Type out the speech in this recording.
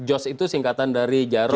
jos itu singkatan dari jarod